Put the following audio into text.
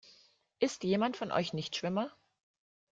Ist jemand von euch Nichtschwimmer?